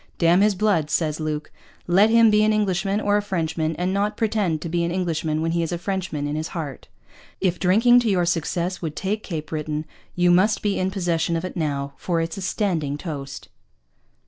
Damn his Blood, says Luke, let him be an Englishman or a Frenchman and not pretend to be an Englishman when he is a Frenchman in his Heart. If Drinking to your Success would take Cape Britton you must be in possession of it now, for it's a Standing Toast.